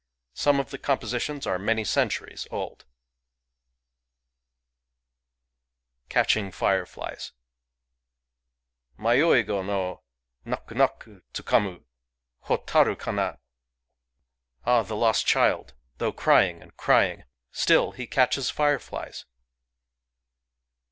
Some of the compositions are many centuries old: — Catching Fireflies Mayoi go no Naku naku tsukamu Hotaru kana ! Ah I the lost child ! Though crying and crying, still he catches fireflies